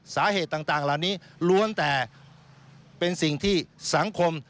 สาเหตุต่างเหล่านี้ล้วนแต่เป็นสิ่งที่สังคม